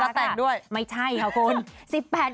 จะแต่งด้วยไม่ใช่ครับคุณ